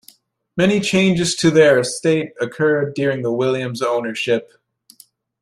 Many changes to their estate occurred during the William's ownership.